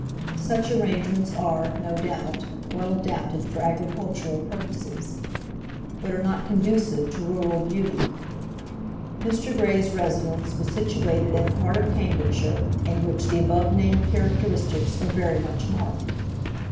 Such arrangements are, no doubt, well adapted for agricultural purposes, but are not conducive to rural beauty. Mr. Grey's residence was situated in a part of Cambridgeshire in which the above named characteristics are very much marked.